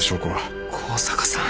向坂さん。